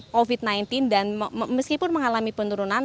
covid sembilan belas dan meskipun mengalami penurunan